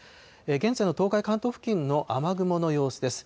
現在の東海、関東付近の雨雲の様子です。